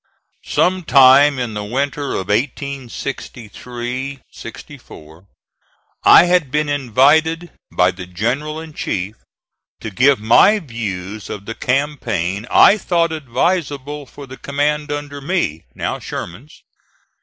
Some time in the winter of 1863 64 I had been invited by the general in chief to give my views of the campaign I thought advisable for the command under me now Sherman's.